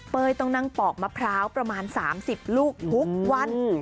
ต้องนั่งปอกมะพร้าวประมาณ๓๐ลูกทุกวัน